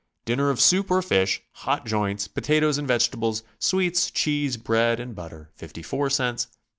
Dinner of soup or fish, hot joints, potatoes and vegetables, sweets, cheese, bread and butter, 54 cts.